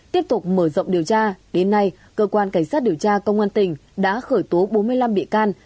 tiếp tục mở rộng điều tra đến nay cơ quan cảnh sát điều tra công an tỉnh đã khởi tố bốn mươi năm bị can